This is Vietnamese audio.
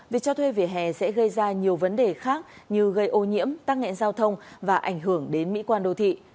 việc cho thuê về hè sẽ gây ra nhiều vấn đề khác như gây ô nhiễm tăng nghẹn giao thông và ảnh hưởng đến mỹ quan đô thị